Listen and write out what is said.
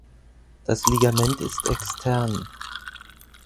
Das Ligament ist extern.